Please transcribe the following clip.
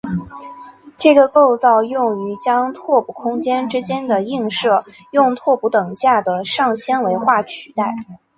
这个构造用于将拓扑空间之间的映射用拓扑等价的上纤维化取代。